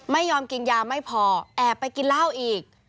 ไม่ยอมกินยาไม่พอแอบไปกินเหล้าอีก